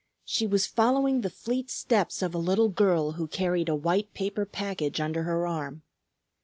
She was following the fleet steps of a little girl who carried a white paper package under her arm.